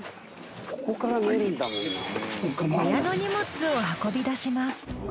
小屋の荷物を運び出します。